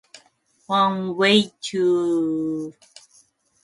One way to react to beauty standards is to challenge and redefine them.